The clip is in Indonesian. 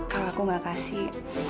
kalau aku gak kasih